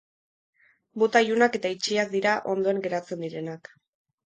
Bota ilunak eta itxiak dira ondoen geratzen direnak.